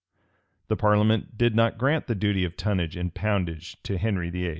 The parliament did not grant the duty of tonnage and poundage to Henry VIII.